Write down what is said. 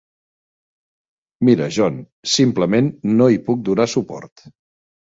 Mira, John, simplement no hi puc donar suport.